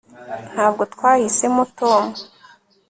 ntabwo twahisemo tom